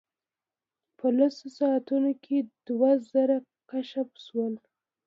په لسو ساعتونو کې دوه زره کشف شول.